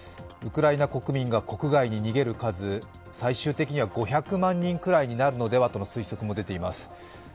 ウクライナ国民が国外に逃げる数、最終的には５００万人ぐらいになるのではとの推測も出ています。